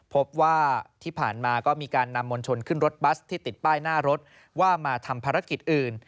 พบว่าที่ผ่านมาก็มีการนำมวลชนขึ้นรถบัสที่ติดป้ายหน้ารถว่ามาทำภารกิจอื่น